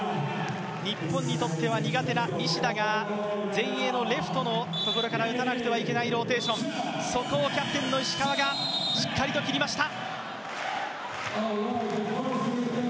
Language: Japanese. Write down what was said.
日本にとっては苦手な西田が前衛のレフトのところから打たなくてはいけないローテーション、そこをキャプテンの石川がしっかりと切りました。